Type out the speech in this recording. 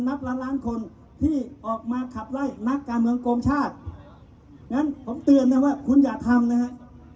นับล้านล้านคนที่ออกมาขับไล่นักการเมืองโกงชาติงั้นผมเตือนนะว่าคุณอย่าทำนะฮะ